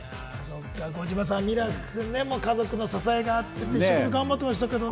児嶋さん、ミラクくん、家族の支えがあって、一生懸命頑張っていましたけれどもね。